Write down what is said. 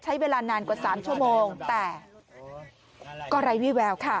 ใช้เวลานานกว่า๓ชั่วโมงแต่ก็ไร้วี่แววค่ะ